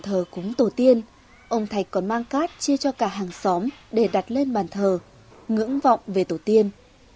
thờ cúng tổ tiên ông thạch còn mang cát chia cho cả hàng xóm để đặt lên bàn thờ ngưỡng vọng về tổ tiên